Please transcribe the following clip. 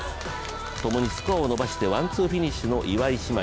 ともにスコアを伸ばしてワンツーフィニッシュの岩井姉妹。